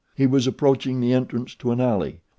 He was approaching the entrance to an alley.